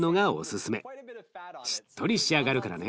しっとり仕上がるからね。